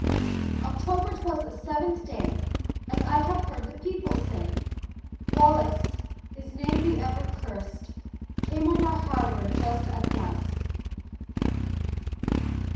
October 'twas the seventh day, As I have heard the people say, Wallace, his name be ever curst, Came on our harbor just at dusk.